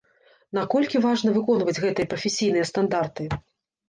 Наколькі важна выконваць гэтыя прафесійныя стандарты?